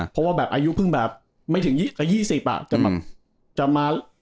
เพราะว่าอายุเพิ่งแบบไม่ถึงกว่า๒๐อ่ะ